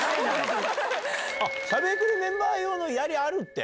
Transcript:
しゃべくりメンバー用のやりあるって。